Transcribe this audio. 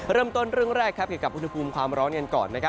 เริ่มต้นเรื่องแรกเกี่ยวกับอุณหภูมิความร้อนกันก่อน